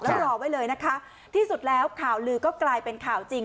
แล้วรอไว้เลยนะคะที่สุดแล้วข่าวลือก็กลายเป็นข่าวจริง